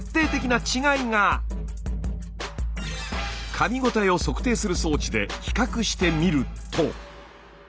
かみごたえを測定する装置で比較してみると。